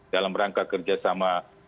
dalam rangka kerjasama